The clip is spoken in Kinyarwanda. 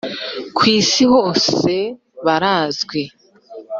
ku isi hose barazwi